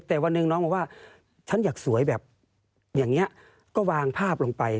แต่วันหนึ่งน้องบอกว่าฉันอยากสวยแบบอย่างนี้ก็วางภาพลงไป